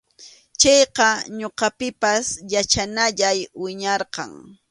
Chayqa ñuqapipas yachanayay wiñawarqan.